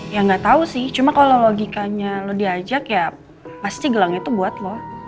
ya gak tau sih cuma kalo logikanya lu diajak ya pasti gelang itu buat lo